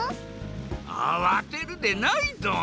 あわてるでないドン。